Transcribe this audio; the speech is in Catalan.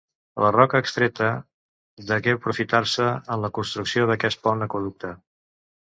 La roca extreta degué aprofitar-se en la construcció d'aquest pont aqüeducte.